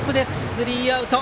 スリーアウト。